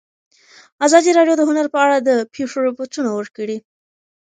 ازادي راډیو د هنر په اړه د پېښو رپوټونه ورکړي.